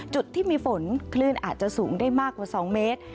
จุดที่มีฝนคลื่นอาจจะสูงได้มากกว่า๒เมตร